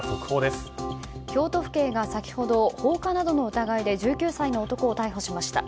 京都府警が先ほど放火などの疑いで１９歳の男を逮捕しました。